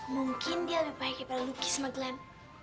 mungkin dia lebih baik daripada lukis sama glenn